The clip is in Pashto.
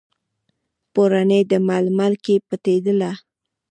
پوړني، د ململ کې پټیدله